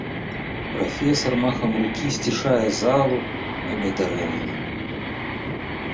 Прафесар махам рукі сцішае залу, але дарэмна.